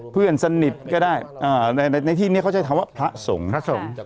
เพื่อนสนิทก็ได้ในที่นี้เขาใช้คำว่าพระสงฆ์พระสงฆ์